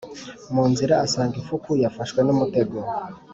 Mu nzira asanga ifuku yafashwe n' umutego;